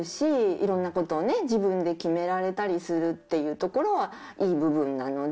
いろんなことをね、自分で決められたりするっていうところはいい部分なので。